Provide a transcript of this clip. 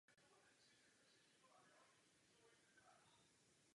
Deset let byla jeho smrt tajemstvím.